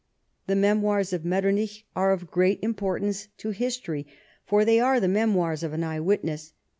The memoirs of Metternich are of great importance to history, for they are the memoirs of an eye witness.